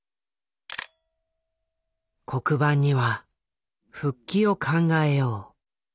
黒板には「復帰を考えよう」。